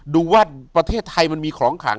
อยู่ที่แม่ศรีวิรัยิลครับ